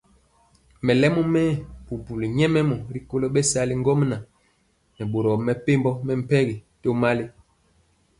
Melemɔ mɛɛ bubuli nyɛmemɔ rikolo bɛsali ŋgomnaŋ nɛ boro mepempɔ mɛmpegi tomali.